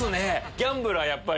ギャンブラーやっぱり。